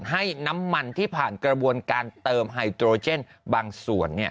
ให้น้ำมันที่ผ่านกระบวนการเติมไฮโตรเจนบางส่วน